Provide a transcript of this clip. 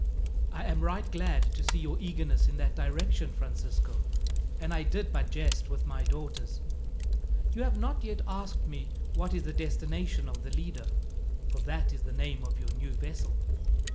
"I am right glad to see your eagerness in that direction, Francisco, and I did but jest with my daughters. You have not yet asked me what is the destination of the Lido, for that is the name of your new vessel.